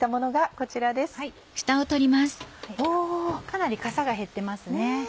かなりかさが減ってますね。